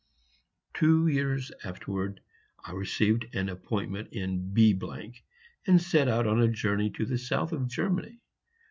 Two years afterwards I received an appointment in B , and set out on a journey to the south of Germany.